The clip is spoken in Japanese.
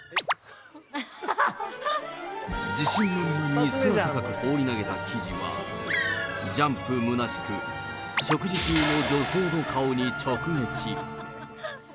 自信満々に空高く放り投げた生地は、ジャンプむなしく、食事中の女性の顔に直撃。